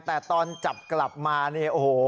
แต่ตอนจับกลับมาเนี่ยโอ้โห